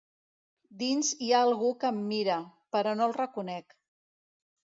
Dins hi ha algú que em mira, però no el reconec.